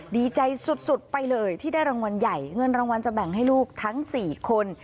ดีใจสุดไปเลยที่ได้รางวัลใหญ่เงินรางวัลจะแบ่งให้ลูกทั้ง๔คน